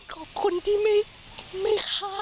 ขอบคุณที่ไม่ไม่ขาย